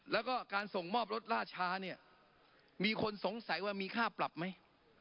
แล้วก็การส่งมอบรถล่าช้าเนี่ยมีคนสงสัยว่ามีค่าปรับไหม